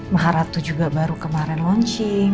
maharatu juga baru kemarin launching